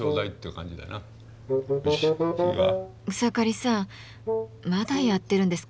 草刈さんまだやってるんですか？